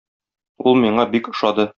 Ул миңа бик ошады.